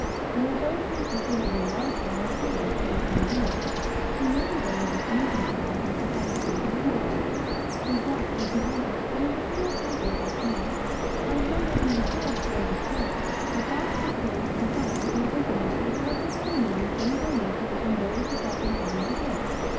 Their abode consisted of a large wire cage placed on wheels. In windy weather the "breezy side" was protected by green baize, so draughts were prevented, and a degree of comfort obtained. As there was no charge for "the show," a box was placed in front with an opening for the purpose of admitting any donations from those who felt inclined to give.